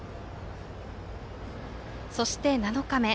そして７日目。